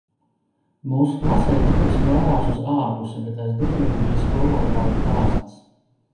Mūsu klasei durvis vērās uz ārpusi bet aiz durvīm bija skolotāja krāsns.